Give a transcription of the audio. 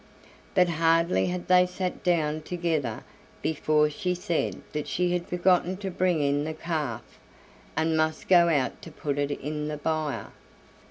But hardly had they sat down together before she said that she had forgotten to bring in the calf, and must go out to put it in the byre.